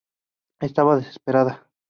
Estaba desesperada.